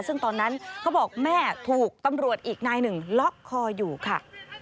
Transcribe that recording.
ซึ่งตอนนั้นเขาบอกแม่ถูกตำรวจอีกนายหนึ่งล็อกคออยู่ค่ะ